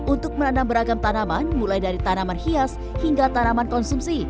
untuk menanam beragam tanaman mulai dari tanaman hias hingga tanaman konsumsi